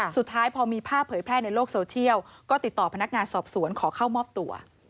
สุดท้ายพอมีภาพเผยแพร่ในโลกโซเชียลก็ติดต่อพนักงานสอบสวนขอเข้ามอบตัว